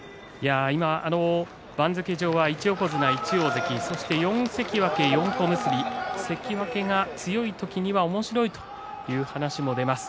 番付上は１横綱１大関そして４関脇４小結関脇が強い時にはおもしろいという話も出ます。